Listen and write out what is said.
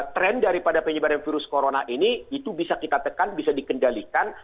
trend daripada penyebaran virus corona ini itu bisa kita tekan bisa dikendalikan